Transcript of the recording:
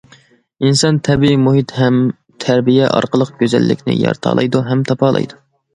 ئىنسان تەبىئىي مۇھىت ھەم تەربىيە ئارقىلىق گۈزەللىكنى يارىتالايدۇ ھەم تاپالايدۇ.